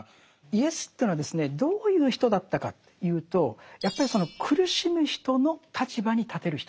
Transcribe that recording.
イエスというのはですねどういう人だったかというとやっぱりその苦しむ人の立場に立てる人なんですよ。